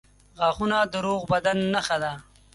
• غاښونه د روغ بدن نښه ده.